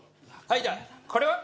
はいじゃあこれは？